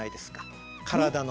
体の。